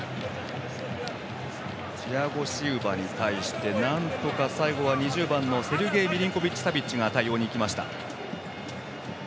チアゴ・シウバに対してなんとか、最後は２０番のセルゲイ・ミリンコビッチ・サビッチが対応にいきました。